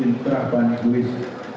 intrag ban ibuis